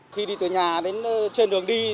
khi đi từ nhà đến trên đường đi